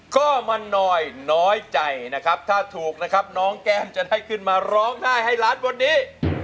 ก็มันน้อยใจนะครับถ้าถูกนะครับน้องแก้มจะได้ขึ้นมาร้องได้ให้ล้านวันนี้